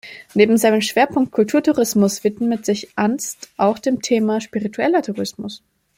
Neben seinem Schwerpunkt Kulturtourismus widmet sich Antz auch dem Thema Spiritueller Tourismus.